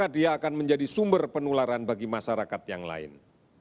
dia akan menjadi sumber penularan bagi masyarakat yang lain